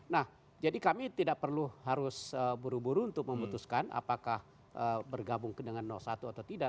nah jadi kami tidak perlu harus buru buru untuk memutuskan apakah bergabung dengan satu atau tidak